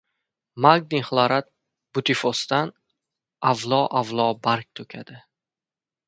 Magniy xlorat butifosdan avlo-avlo barg to‘kadi.